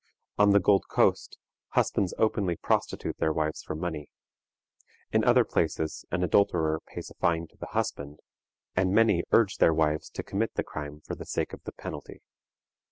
On the Gold Coast husbands openly prostitute their wives for money. In other places an adulterer pays a fine to the husband, and many urge their wives to commit the crime for the sake of the penalty.